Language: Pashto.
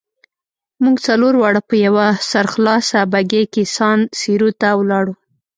موږ څلور واړه په یوه سرخلاصه بګۍ کې سان سیرو ته ولاړو.